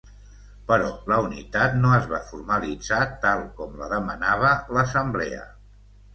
Però la unitat no es va formalitzar tal com la demanava l’assemblea.